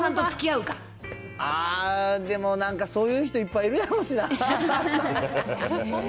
ああ、でも、なんかそういう人、いっぱいいるだろうしな。